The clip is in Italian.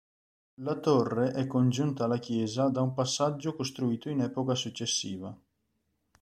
La torre è congiunta alla chiesa da un passaggio costruito in epoca successiva.